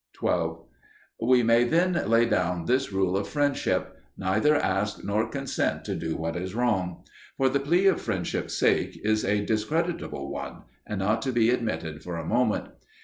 12. We may then lay down this rule of friendship neither ask nor consent to do what is wrong. For the plea "for friendship's sake" is a discreditable one, and not to be admitted for a moment.